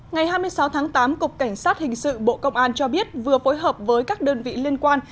ngày hai mươi sáu tháng tám cục cảnh sát hình sự bộ công an cho biết vừa phối hợp với các đơn vị liên quan